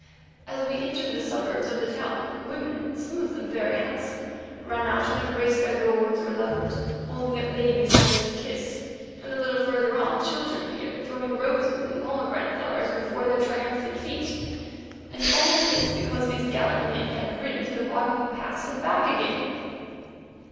As we entered the suburbs of the town, women, some of them very handsome, ran out and embraced their lords or lovers, holding up babies for them to kiss, and a little farther on children appeared, throwing roses and pomegranate flowers before their triumphant feet. And all this because these gallant men had ridden to the bottom of a pass and back again!